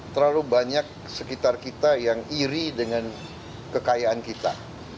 terlalu banyak sekitar kita yang iri dengan kekayaan kita